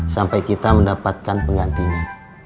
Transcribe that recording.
sampai kita mendapatkan penggantinya